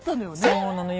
そうなのよ。